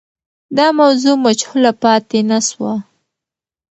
دا موضوع مجهوله پاتې نه سوه.